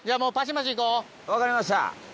分かりました。